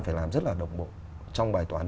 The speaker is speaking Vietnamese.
phải làm rất là độc bộ trong bài toán